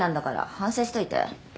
反省しといて。